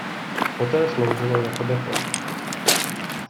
Poté sloužilo jako depo.